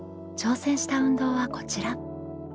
挑戦した運動はこちら。